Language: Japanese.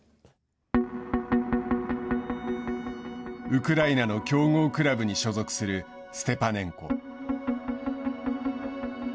ウクライナの強豪クラブに所属するステパネンコ。